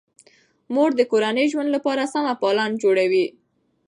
مور د کورني ژوند لپاره سمه پالن جوړوي.